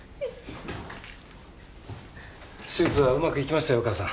手術はうまくいきましたよお母さん。